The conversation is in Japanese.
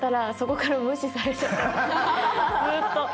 ずっと。